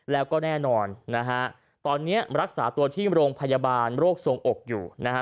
แล้วก็แน่นอนนะฮะตอนนี้รักษาตัวที่โรงพยาบาลโรคทรงอกอยู่นะฮะ